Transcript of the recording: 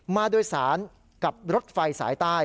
มาโดยสารกับรถไฟสายใต้